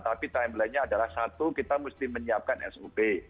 tapi timelinenya adalah satu kita mesti menyiapkan sub